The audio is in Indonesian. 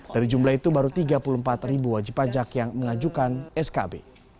dari jumlah itu baru tiga puluh empat ribu wajib pajak yang mengajukan skb